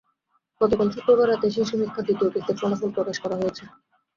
গতকাল শুক্রবার রাতে সেই সমীক্ষার দ্বিতীয় কিস্তির ফলাফল প্রকাশ করা হয়েছে।